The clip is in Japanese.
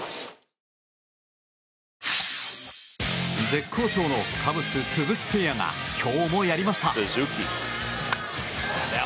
絶好調のカブス、鈴木誠也が今日もやりました。